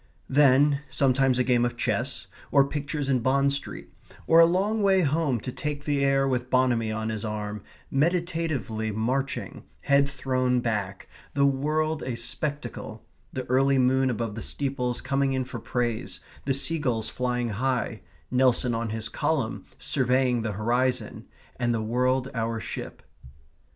Then, sometimes a game of chess; or pictures in Bond Street, or a long way home to take the air with Bonamy on his arm, meditatively marching, head thrown back, the world a spectacle, the early moon above the steeples coming in for praise, the sea gulls flying high, Nelson on his column surveying the horizon, and the world our ship.